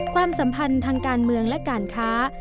ความสัมพันธ์ทางการเมืองและการค้า